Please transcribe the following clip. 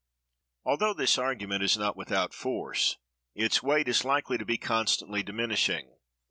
Although this argument is not without force, its weight is likely to be constantly diminishing.